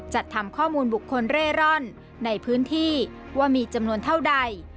จัดทำข้อมูลบุคคลเร่ร่อนในพื้นที่ว่ามีจำนวนเท่าใด